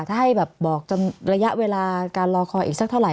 ถ้าให้แบบบอกระยะเวลาการรอคอยอีกสักเท่าไห